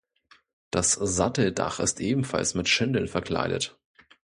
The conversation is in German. Das Satteldach ist ebenfalls mit Schindeln verkleidet.